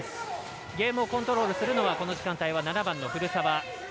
ゲームをコントロールするのはこの時間帯は７番の古澤。